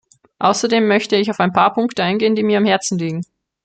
Außerdem möchte ich auf ein paar Punkte eingehen, die mir am Herzen liegen.